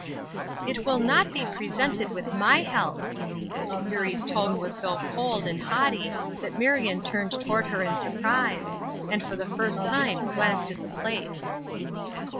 "It will not be presented with my help." Eurie's tone was so cold and haughty that Marion turned toward her in surprise, and for the first time glanced at the plate.